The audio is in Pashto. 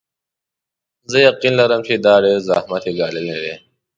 زه یقین لرم چې ډېر زحمت یې ګاللی وي.